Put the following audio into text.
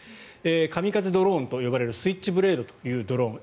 カミカゼドローンと呼ばれるスイッチブレードというドローン